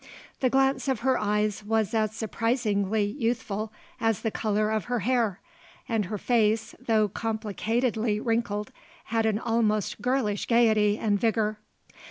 The glance of her eyes was as surprisingly youthful as the color of her hair, and her face, though complicatedly wrinkled, had an almost girlish gaiety and vigour.